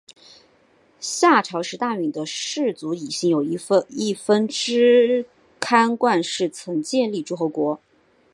夏朝时大禹的氏族姒姓有一分支斟灌氏曾建立诸侯国。